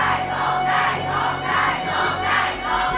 หรือว่าร้องผิดครับ